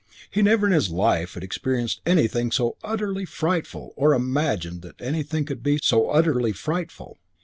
He never in his life had experienced anything so utterly frightful or imagined that anything could be so utterly frightful.